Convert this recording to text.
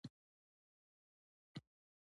هغه د امروهې خاوره ښکل کړه او وژړل